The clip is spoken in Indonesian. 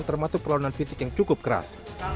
termasuk perlawanan fisik yang cukup keras